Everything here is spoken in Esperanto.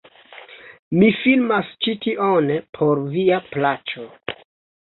Mi filmas ĉi tion por via plaĉo...